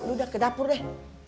udah ke dapur deh